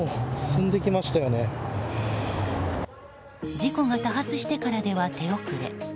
事故が多発してからでは手遅れ。